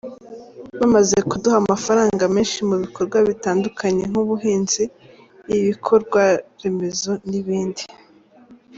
Bamaze kuduha amafaranga menshi mu bikorwa bitandukanye nk’ubuhinzi, ibikorwaremezo n’ibindi”.